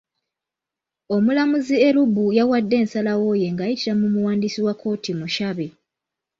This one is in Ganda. Omulamuzi Elubu yawade ensalawooye ng'ayitira mu muwandiisi wa kkooti Mushabe.